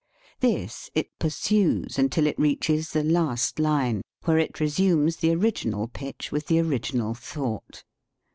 This it pursues until it reaches the last line, where it resumes the original pitch with the original thought.